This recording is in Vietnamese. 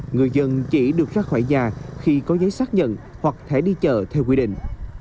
người dân chỉ được ra khỏi nhà khi có giấy xác nhận hoặc thẻ đi chợ theo quy định